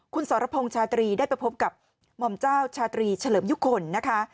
คุณสรพงศ์ชาตรีได้ไปพบกับหม่อมเจ้าชาตรีเฉลิมยุคลนะคะ